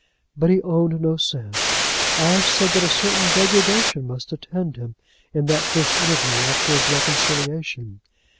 But he owned no sin! I have said that a certain degradation must attend him in that first interview after his reconciliation.